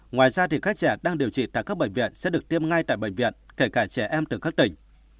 ngoài ra các trẻ đang điều trị tại các bệnh viện sẽ được tiêm ngay tại bệnh viện kể cả trẻ em từ các tỉnh